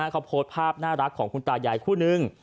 เขาโพสต์ภาพน่ารักของคุณตายายคู่นึง